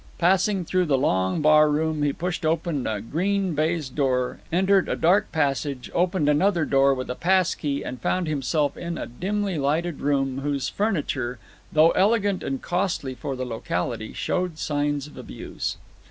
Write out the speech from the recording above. Passing through the long barroom, he pushed open a green baize door, entered a dark passage, opened another door with a passkey, and found himself in a dimly lighted room whose furniture, though elegant and costly for the locality, showed signs of abuse.